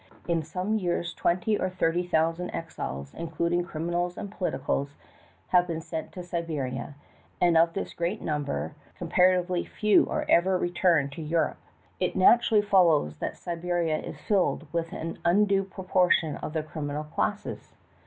In some years twenty or thirty thousand exiles, including criminals and politicals, have been sent to Siberia, and of this great number compar atively few are ever returned to Europe. It naturally follows that Siberia is filled with an undue proportion of the criminal classes.